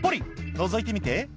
「のぞいてみて」